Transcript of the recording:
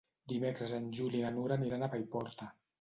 Dimecres en Juli i na Nura aniran a Paiporta.